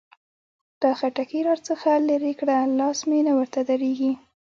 دا خټکي را څخه لري کړه؛ لاس مې نه ورته درېږي.